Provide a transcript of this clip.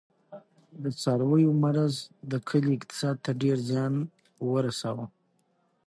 د څارویو مرض د کلي اقتصاد ته ډېر زیان ورساوه.